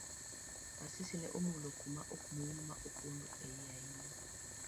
Asisi ne omulo kuma okmul ma opondo iye ahinya.